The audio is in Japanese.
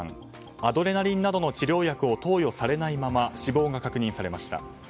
アドレナリンなどの治療薬を投与されないまま死亡が確認されました。